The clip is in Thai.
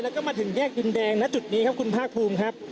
แล้วก็มาถึงแยกดินแดงณจุดนี้ครับคุณภาคภูมิครับ